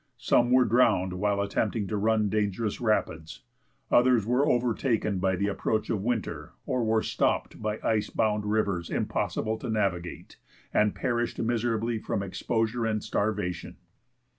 Some were drowned while attempting to run dangerous rapids. Others were overtaken by the approach of winter, or were stopped by ice bound rivers impossible to navigate, and perished miserably from exposure and starvation.